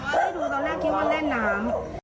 ให้ดูตอนแรกคิดว่าเล่นน้ำ